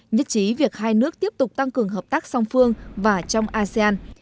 nhất trí việc hai nước tiếp tục tăng cường hợp tác song phương và trong asean